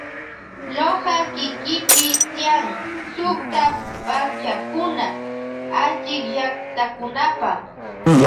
Loja kikipi tiyan sukta pakchakuna achikllaktakunapa.